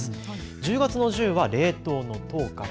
１０月の１０は冷凍の凍から。